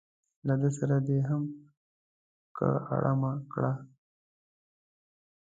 له ده سره دې هم که اړمه کړه.